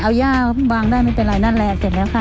เอาย่าวางได้ไม่เป็นไรนั่นแหละเสร็จแล้วค่ะ